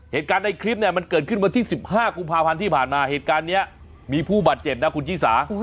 เหตุการณ์ในคลิปเนี่ยมันเกิดขึ้นวันที่๑๕กุมภาพันธ์ที่ผ่านมาเหตุการณ์นี้มีผู้บาดเจ็บนะคุณชิสา